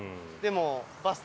でも。